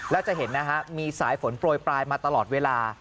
แล้วจะเห็นนะฮะมีสายฝนโปรยปลายมาตลอดเวลา